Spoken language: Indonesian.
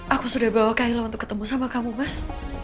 aku sudah bawa kahila untuk ketemu sama kamu mas